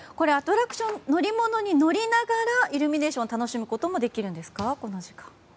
アトラクション乗り物に乗りながらイルミネーションを楽しむこともできるんですか？